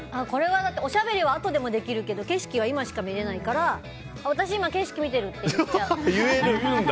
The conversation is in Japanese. おしゃべりはあとでもできるけど景色は今しか見れないから私、今、景色見てるって言えるんだ。